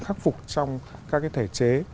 khắc phục trong các cái thể chế